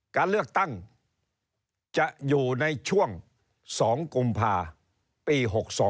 การเลือกตั้งจะอยู่ในช่วง๒กุมภาปี๖๒